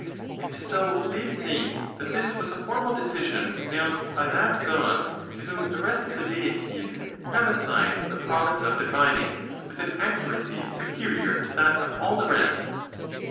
And so they say that this was a formal decision pronounced by that God to ON THE CONTEMPT OF DEATH. 61 whom the rest of the deities have assigned the province of divining with an accuracy superior to that of all the rest.